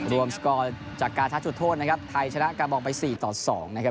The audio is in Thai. รวมจากการทัดจุดโทษนะครับไทยชนะกาบองไปสี่ต่อสองนะครับ